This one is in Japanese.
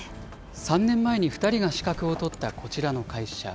３年前に２人が資格を取ったこちらの会社。